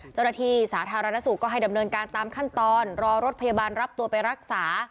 เจ้าหน้าที่สาธารณสุขก็ให้ดำเนินการตามขั้นตอนรอรถพยาบาลรับตัวไปรักษา